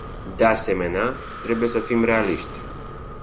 De asemenea, trebuie să fim realiști.